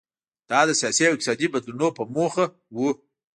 دا د سیاسي او اقتصادي بدلونونو په موخه و.